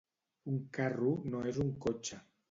Un carro no és un cotxe